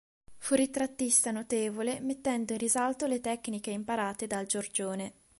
Fu ritrattista notevole, mettendo in risalto le tecniche imparate dal Giorgione.